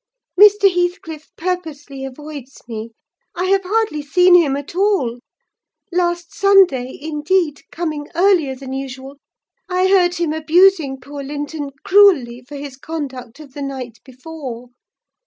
Mr. Heathcliff purposely avoids me: I have hardly seen him at all. Last Sunday, indeed, coming earlier than usual, I heard him abusing poor Linton cruelly for his conduct of the night before.